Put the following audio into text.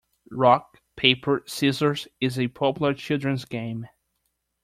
Rock, paper, scissors is a popular children's game.